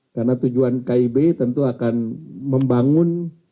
karena tujuan kib tentu akan membangun